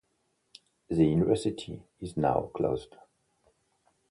The university is now closed.